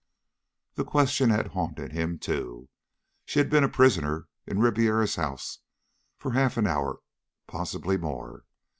That question had haunted him too. She had been a prisoner in Ribiera's house for half an hour, possibly more.